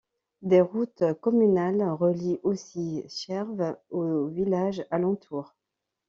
Des routes communales relient aussi Cherves aux villages alentour.